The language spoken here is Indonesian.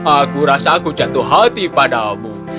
aku rasa aku jatuh hati padamu